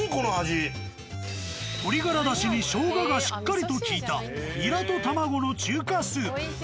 鶏ガラだしに生姜がしっかりときいたニラと卵の中華スープ。